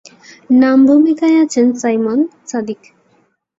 নাম ভুমিকায় আছেন সাইমন সাদিক।